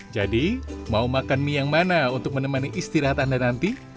jadi mau makan mie yang mana untuk menemani istirahat anda nanti